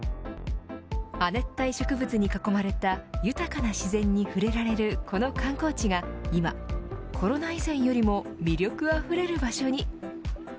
亜熱帯植物に囲まれた豊かな自然に触れられるこの観光地が今コロナ以前よりも魅力あふれる場所に。